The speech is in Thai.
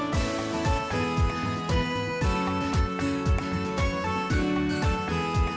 สวัสดีครับ